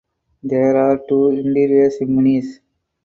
There are two interior chimneys.